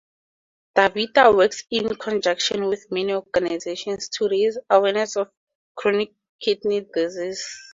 DaVita works in conjunction with many organizations to raise awareness of chronic kidney disease.